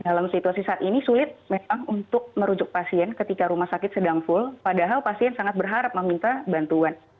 dalam situasi saat ini sulit memang untuk merujuk pasien ketika rumah sakit sedang full padahal pasien sangat berharap meminta bantuan